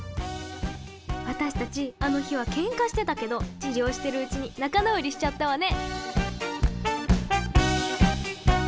私たちあの日はケンカしてたけど治療してるうちに仲直りしちゃったわね。